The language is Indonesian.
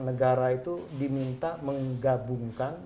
negara itu diminta menggabungkan